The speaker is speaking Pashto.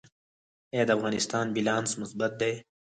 آیا د افغانستان بیلانس مثبت دی؟